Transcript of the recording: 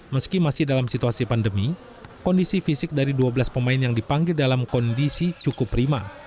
meski masih dalam situasi pandemi kondisi fisik dari dua belas pemain yang dipanggil dalam kondisi cukup prima